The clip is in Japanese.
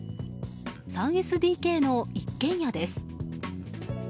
３ＳＤＫの一軒家です。